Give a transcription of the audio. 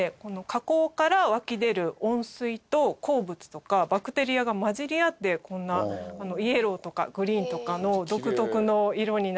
火口から湧き出る温水と鉱物とかバクテリアが混じり合ってこんなイエローとかグリーンとかの独特の色になってるそうです。